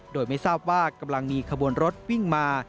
โดยไม่ทราบว่ากำลังมีขบวนรถวิ่งมา